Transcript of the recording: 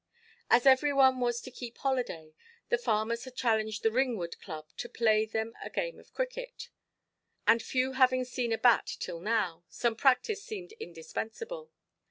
As every one was to keep holiday, the farmers had challenged the Ringwood club to play them a game of cricket, and few having seen a bat till now, some practice seemed indispensable.